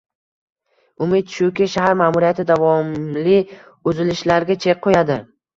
Umid shuki, shahar maʼmuriyati davomli uzilishlarga chek qoʻyadi...